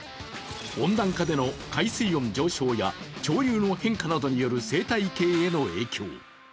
温暖化での海水温上昇や潮流の変化などによる生態系への影響。